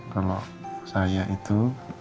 kalau saya itu